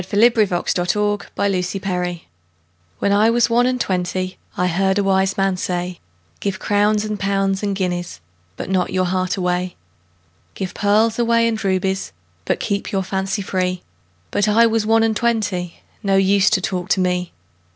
1896. XIII. When I was one and twenty WHEN I was one and twentyI heard a wise man say,'Give crowns and pounds and guineasBut not your heart away; Give pearls away and rubiesBut keep your fancy free.'But I was one and twenty, No use to talk to me.